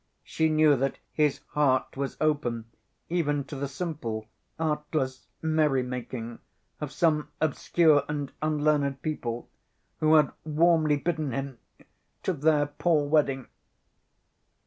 She knew that His heart was open even to the simple, artless merrymaking of some obscure and unlearned people, who had warmly bidden Him to their poor wedding.